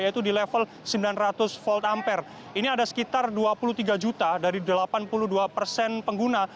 yaitu di level sembilan ratus volt ampere ini ada sekitar dua puluh tiga juta dari delapan puluh dua persen pengguna